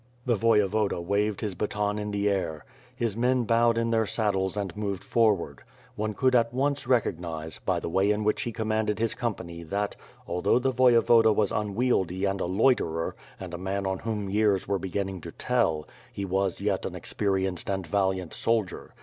The Voyevoda waved his baton in the air. His men bowed in their saddles and moved forward. One could aft once recognize, by the way in which he commanded his company, that, although the Voyevoda was unwieldy and a loiterer and a man on whom years were beginning to tell, he was yet an experienced and valiant soldier.